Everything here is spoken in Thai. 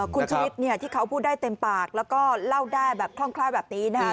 คุณชูวิทย์ที่เขาพูดได้เต็มปากแล้วก็เล่าได้คล่องคล้ายแบบนี้นะฮะ